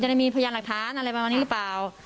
ได้มีพยานหลักฐานอะไรประมาณนี้หรือเปล่า